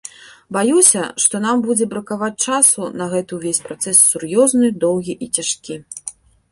Баюся, што нам будзе бракаваць часу на гэты ўвесь працэс сур'ёзны, доўгі і цяжкі.